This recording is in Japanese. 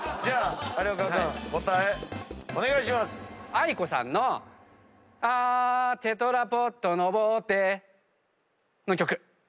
ａｉｋｏさんの「Ａｈテトラポット登って」の曲。